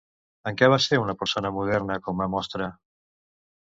En què va ser una persona moderna, com a mostra?